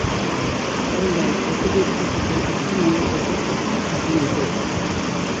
Hori bai, datu-bilketa prozesuan hainbat ezusteko izan ditugu.